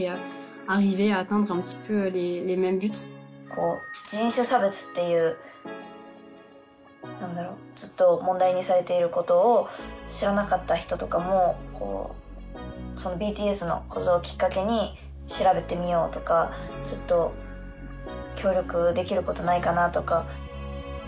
こう人種差別っていう何だろずっと問題にされていることを知らなかった人とかもＢＴＳのことをきっかけに調べてみようとかちょっと協力できることないかなとか。